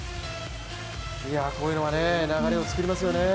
こういうのは流れを作りますよね。